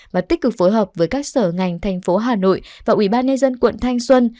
và tích cực phối hợp với các sở ngành tp hà nội và ubnd quận thanh xuân